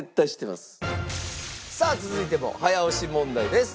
さあ続いても早押し問題です。